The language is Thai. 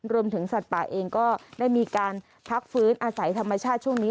สัตว์ป่าเองก็ได้มีการพักฟื้นอาศัยธรรมชาติช่วงนี้